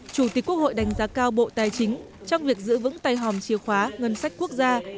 chủ tịch quốc hội đánh giá cao bộ tài chính trong việc giữ vững tay hòm chìa khóa ngân sách quốc gia